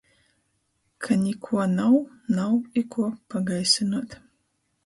Ka nikuo nav, nav i kuo pagaisynuot.